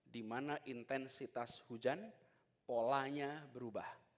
dimana intensitas hujan polanya berubah